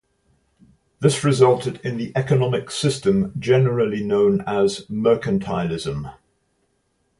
This resulted in the economic system generally known as mercantilism.